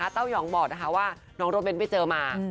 เต้ายองบอกนะคะว่าน้องรถเน้นไปเจอมา